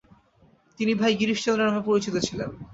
তিনি ‘ভাই গিরিশচন্দ্র’ নামে পরিচিত ছিলেন।